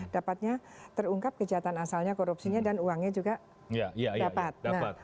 dapatnya terungkap kejahatan asalnya korupsinya dan uangnya juga dapat